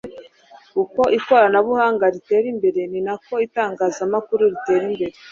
Uko ikoranabuhanga ritera imbere ni na ko itangazamakuru ritera imbere,